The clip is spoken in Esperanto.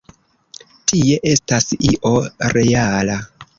Tie estas io reala.